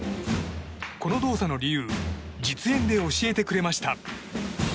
この動作の理由実演で教えてくれました。